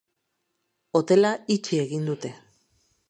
Hotela itxi egin dute.